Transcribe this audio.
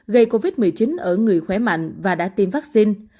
gây covid một mươi chín ở người khỏe mạnh và đã tiêm vaccine